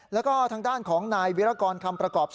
แล้วก็ทางด้านของนายวิรากรคำประกอบ